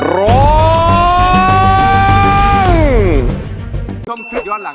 ร้อง